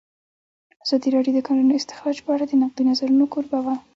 ازادي راډیو د د کانونو استخراج په اړه د نقدي نظرونو کوربه وه.